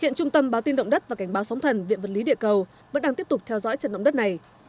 hiện trung tâm báo tin động đất và cảnh báo sóng thần viện vật lý địa cầu vẫn đang tiếp tục theo dõi trận động đất này